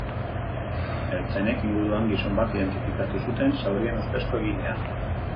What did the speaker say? Ertzainek inguruan gizon bat identifikatu zuten, zaurien ustezko egilea.